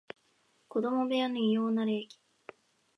子供部屋の異様な冷気